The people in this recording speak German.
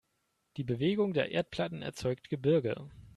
Die Bewegung der Erdplatten erzeugt Gebirge.